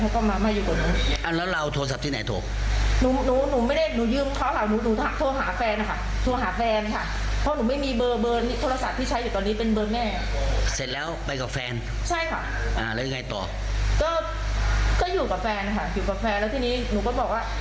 ต่อก็ก็อยู่กับแฟนค่ะอยู่กับแฟนแล้วทีนี้หนูก็บอกว่า